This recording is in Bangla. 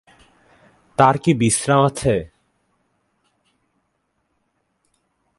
তার কি বিশ্রাম আছে।